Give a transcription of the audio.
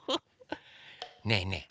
ねえねえ